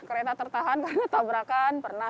kereta tertahan karena tabrakan pernah